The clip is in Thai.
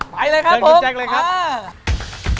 ไปเลยครับผมมาจริงจริงจริงจริงจริงจริงมา